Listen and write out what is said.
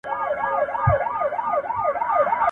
زه له سهاره د کتابونو لوستل کوم.